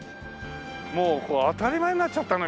もう当たり前になっちゃったね